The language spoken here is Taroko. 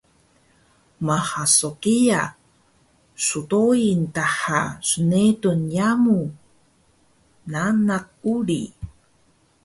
Maha so kiya sdoi daha snetur yamu nanak uri